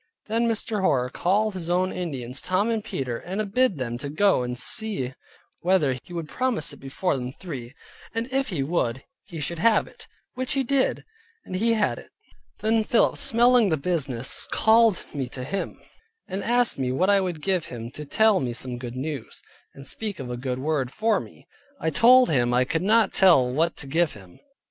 Then Mr. Hoar called his own Indians, Tom and Peter, and bid them go and see whether he would promise it before them three; and if he would, he should have it; which he did, and he had it. Then Philip smelling the business called me to him, and asked me what I would give him, to tell me some good news, and speak a good word for me. I told him I could not tell what to give him.